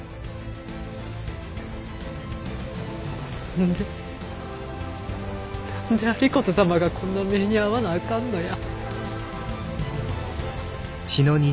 何で何で有功様がこんな目にあわなあかんのや。